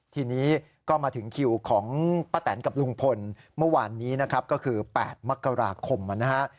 ทีนี้ก็มาถึงคิวของป้าแตนกับลุงพลเมื่อวานนี้นะครับก็คือ๘มกราคมนะฮะ